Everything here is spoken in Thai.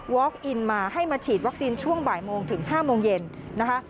อินมาให้มาฉีดวัคซีนช่วงบ่ายโมงถึง๕โมงเย็นนะคะ